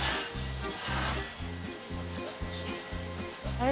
あれ？